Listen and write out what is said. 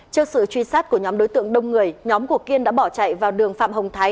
trước sự truy sát của nhóm đối tượng đông người nhóm của kiên đã bỏ chạy vào đường phạm hồng thái